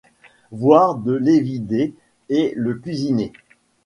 Voire de l'évider et le cuisiner.